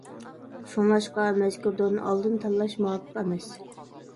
شۇڭلاشقا مەزكۇر دورىنى ئالدىن تاللاش مۇۋاپىق ئەمەس.